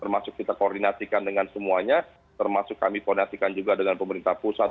termasuk kita koordinasikan dengan semuanya termasuk kami koordinasikan juga dengan pemerintah pusat